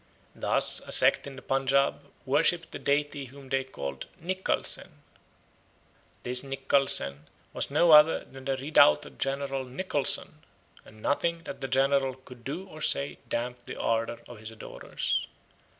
Thus, a sect in the Punjaub worshipped a deity whom they called Nikkal Sen. This Nikkal Sen was no other than the redoubted General Nicholson, and nothing that the general could do or say damped the ardour of his adorers.